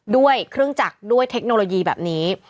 ด้วยเครื่องจักรด้วยเทคโนโลยีแบบนี้